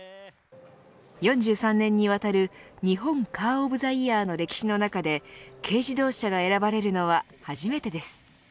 ４３年にわたる日本カー・オブ・ザ・イヤーの歴史の中で軽自動車が選ばれるのは初めてです。